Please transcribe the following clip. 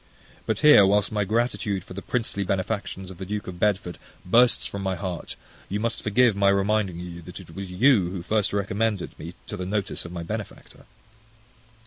But here, whilst my gratitude for the princely benefactions of the Duke of Bedford bursts from my heart, you must forgive my reminding you that it was you who first recommended me to the notice of my benefactor.